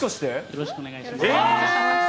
よろしくお願いします。